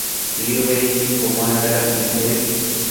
ތީރުވެރީންގެ ކޮމާންޑަރަށް އެންގެވި